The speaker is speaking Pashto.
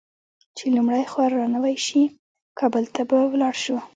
چې لومړۍ خور رانوې شي؛ کابل ته به ولاړ شو.